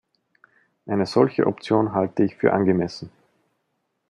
Eine solche Option halte ich für angemessen.